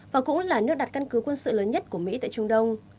và cũng là nước đặt căn cứ quân sự lớn nhất của mỹ tại trung đông